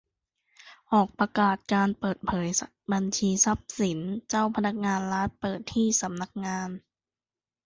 ออกประกาศการเปิดเผยบัญชีทรัพย์สินเจ้าพนักงานรัฐเปิดที่สำนักงาน